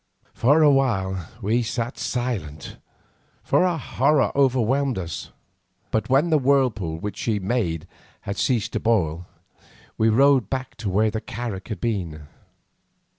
For a while we sat silent, for our horror overwhelmed us, but when the whirlpool which she made had ceased to boil, we rowed back to where the carak had been.